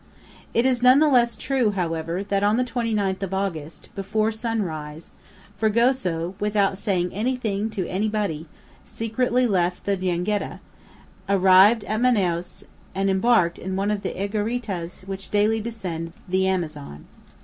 It is none the less true, however, that on the 29th of August, before sunrise, Fragoso, without saying anything to anybody, secretly left the jangada, arrived at Manaos, and embarked in one of the egariteas which daily descend the Amazon.